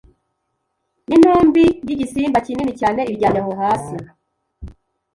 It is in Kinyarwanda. n intumbi y' igisimba kinini cyane iryamye aho hasi